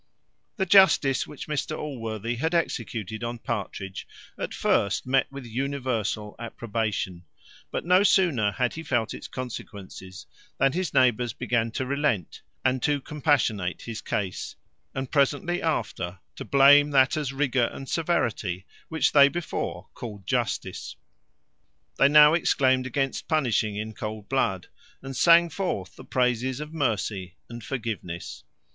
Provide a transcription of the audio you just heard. The justice which Mr Allworthy had executed on Partridge at first met with universal approbation; but no sooner had he felt its consequences, than his neighbours began to relent, and to compassionate his case; and presently after, to blame that as rigour and severity which they before called justice. They now exclaimed against punishing in cold blood, and sang forth the praises of mercy and forgiveness.